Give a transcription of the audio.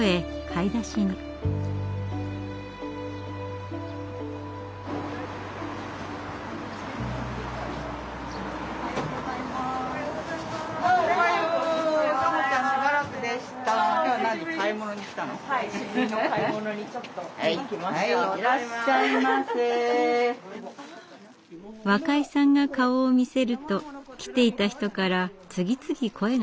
若井さんが顔を見せると来ていた人から次々声がかかります。